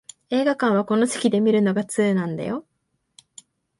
映画館はこの席で観るのが通なんだよ